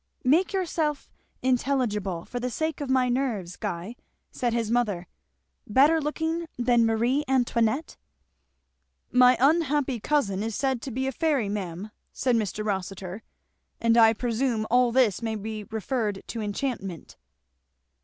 "Make yourself intelligible, for the sake of my nerves, Guy," said his mother. "Better looking than Marie Antoinette!" "My unhappy cousin is said to be a fairy, ma'am," said Mr. Rossitur; "and I presume all this may be referred to enchantment."